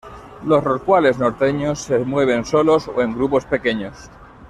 Los rorcuales norteños se mueven solos o en grupos pequeños.